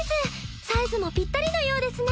サイズもピッタリのようですね！